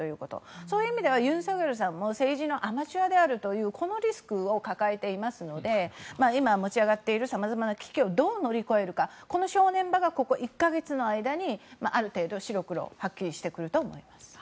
そういう意味ではユン・ソクヨルも政治のアマチュアであるというこのリスクを抱えていますので今、持ち上がっているさまざまな危機をどう乗り越えるかこの正念場がここ１か月の間にある程度白黒はっきりしてくると思います。